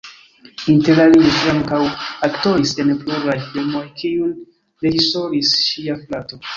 Inter alie ŝi ankaŭ aktoris en pluraj filmoj kiujn reĝisoris ŝia frato.